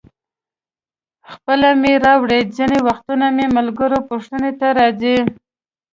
خپله مې راوړي، ځینې وختونه مې ملګري پوښتنې ته راځي.